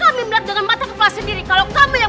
kami melihat dengan mata kepala sendiri kalau kami yang